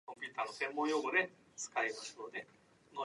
The Court did not rule whether pledges were enforceable.